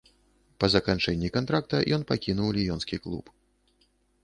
Па заканчэнні кантракта ён пакінуў ліёнскі клуб.